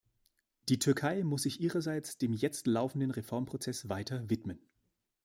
Die Türkei muss sich ihrerseits dem jetzt laufenden Reformprozess weiter widmen.